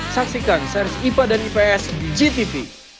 saksikan sers ipa dan ips di gtv